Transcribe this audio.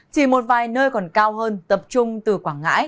chỉ một vài nơi còn cao hơn tập trung từ quảng ngãi